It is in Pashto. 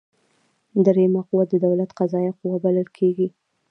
دریمه قوه د دولت قضاییه قوه بلل کیږي.